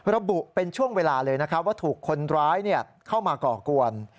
ระบุเป็นช่วงเวลาเลยนะครับว่าถูกคนร้ายเข้ามาก่อกวน